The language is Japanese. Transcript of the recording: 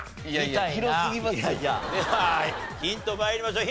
ではヒント参りましょう。